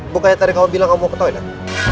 bukannya tadi kamu bilang kamu mau ke toilet